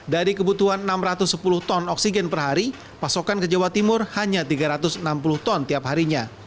dari kebutuhan enam ratus sepuluh ton oksigen per hari pasokan ke jawa timur hanya tiga ratus enam puluh ton tiap harinya